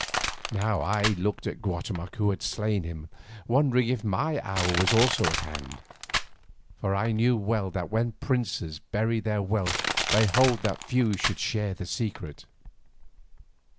Now I looked at Guatemoc who had slain him, wondering if my hour was at hand also, for I knew well that when princes bury their wealth they hold that few should share the secret.